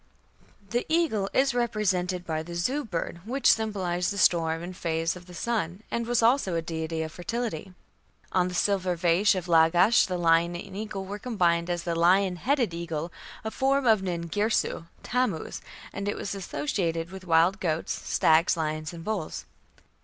The eagle is represented by the Zu bird, which symbolized the storm and a phase of the sun, and was also a deity of fertility. On the silver vase of Lagash the lion and eagle were combined as the lion headed eagle, a form of Nin Girsu (Tammuz), and it was associated with wild goats, stags, lions, and bulls.